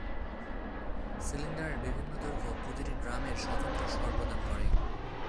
সিলিন্ডারের বিভিন্ন দৈর্ঘ্য প্রতিটি ড্রামের স্বতন্ত্র স্বর প্রদান করে।